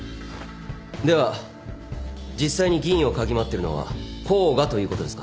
では実際に議員を嗅ぎ回ってるのは甲賀ということですか？